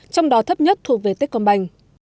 trong đó thấp nhất thuộc về tết công bành